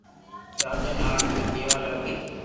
راجا ني آتما ڪيوا لاگي